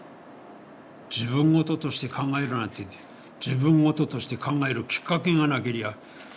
自分ごととして考えるなんていって自分ごととして考えるきっかけがなけりゃ